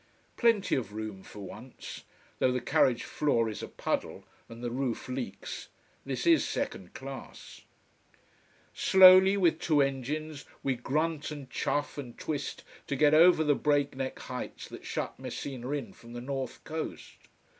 Plenty of room, for once. Though the carriage floor is a puddle, and the roof leaks. This is second class. Slowly, with two engines, we grunt and chuff and twist to get over the break neck heights that shut Messina in from the north coast.